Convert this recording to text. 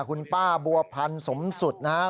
คุณป้าบัวพันธ์สมสุดนะครับ